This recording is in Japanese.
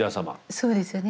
そうですよね。